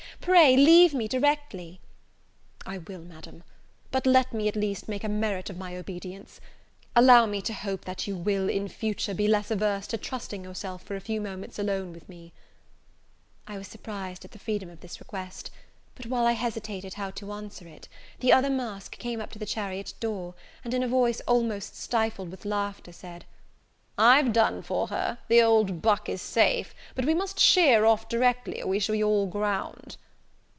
Pray leave me directly." "I will Madam: but let me, at least, make a merit of my obedience, allow me to hope that you will, in future, be less averse to trusting yourself for a few moments alone with me" I was surprised at the freedom of this request: but, while I hesitated how to answer it, the other mask came up to the chariot door, and, in a voice almost stifled with laughter said, "I've done for her! the old buck is safe; but we must sheer off directly, or we shall be all ground."